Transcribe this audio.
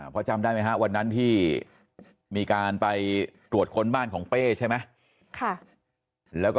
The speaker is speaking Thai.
พอจำได้ไหมฮะวันนั้นที่มีการไปตรวจค้นบ้านของเป้ใช่ไหม